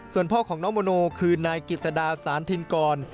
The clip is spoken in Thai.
ส่วนพ่อของน้องโมโนคือนายกิจสดาสารทินกร